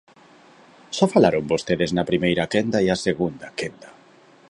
Xa falaron vostedes na primeira quenda e a segunda quenda.